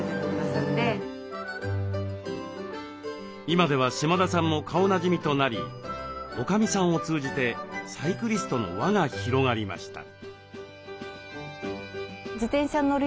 今では島田さんも顔なじみとなりおかみさんを通じてサイクリストの輪が広がりました。